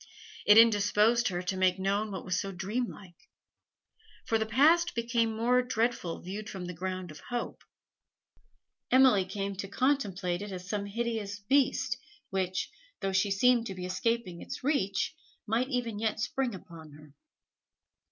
It indisposed her to make known what was so dreamlike. For the past became more dreadful viewed from the ground of hope. Emily came to contemplate it as some hideous beast, which, though she seemed to be escaping its reach, might even yet spring upon her.